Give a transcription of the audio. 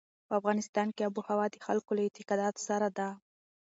په افغانستان کې آب وهوا د خلکو له اعتقاداتو سره ده.